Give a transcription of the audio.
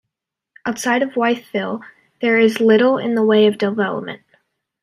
Outside of Wytheville, there is little in the way of development.